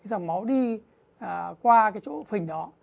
rồi máu đi qua chỗ phình đó